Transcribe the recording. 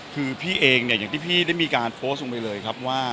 คือพี่เองเนี่ยอย่างที่พี่ได้มีการโพสต์ลงไปเลยครับว่า